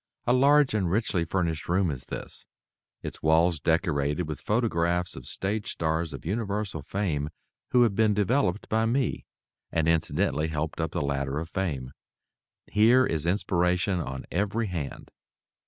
A large and richly furnished room is this, its walls decorated with photographs of stage stars of universal fame who have been developed by me, and incidentally helped up the ladder of fame. Here is inspiration on every hand.